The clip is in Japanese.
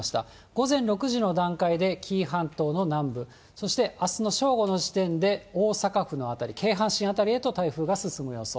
午前６時の段階で、紀伊半島の南部、そしてあすの正午の時点で大阪府の辺り、京阪神辺りへと台風が進む予想。